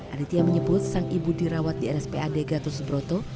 aditya menyebut sang ibu dirawat di rspad gatus broto